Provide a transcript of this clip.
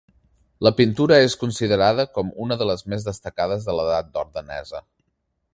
La pintura és considerada com una de les més destacades de l'Edat d'or danesa.